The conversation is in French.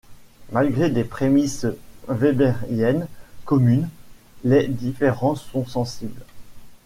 Malgré des prémisses wébériennes communes, les différences sont sensibles.